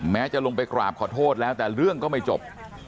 จะลงไปกราบขอโทษแล้วแต่เรื่องก็ไม่จบ